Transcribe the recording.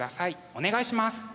お願いします。